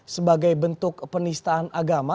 sebagai bentuk penistaan agama